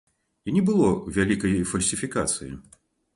І не было вялікай фальсіфікацыі.